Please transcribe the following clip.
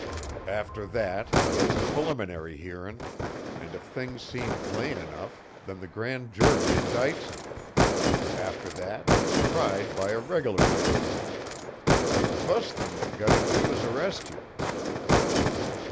"After that he gets a preliminary hearin', and, if things seem plain enough, then the grand jury indicts him. After that he's tried by a reg'lar jury. So the fust thing they've got to do is arrest you."